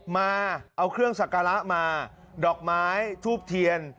มาเอาเครื่องสักการะมาดอกไม้ทูบเทียน